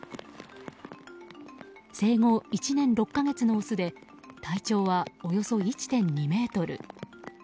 生後１年６か月のオスで体長はおよそ１．２ｍ。